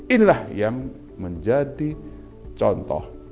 inilah yang menjadi contoh